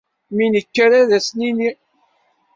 Mi nekker ard as-nini.